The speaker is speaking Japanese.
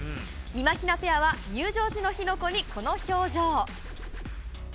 みまひなペアは入場時の火の粉にこの表情。